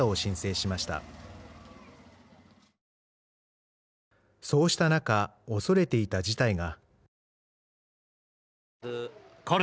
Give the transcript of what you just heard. そうした中、恐れていた事態が。